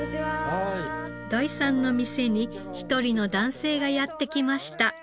土井さんの店に一人の男性がやって来ました。